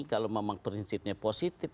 kalau memang prinsipnya positif